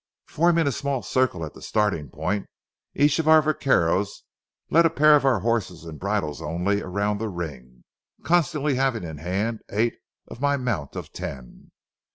Forming a small circle at the starting point, each of our vaqueros led a pair of horses, in bridles only, around a ring,—constantly having in hand eight of my mount of ten.